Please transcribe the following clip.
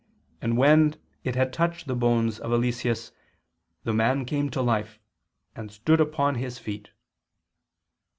And when it had touched the bones of Eliseus, the man came to life, and stood upon his feet."